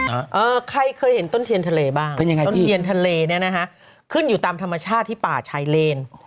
เออใครเคยเห็นต้นเทียนทะเลบ้างเป็นยังไงต้นเทียนทะเลเนี้ยนะฮะขึ้นอยู่ตามธรรมชาติที่ป่าชายเลน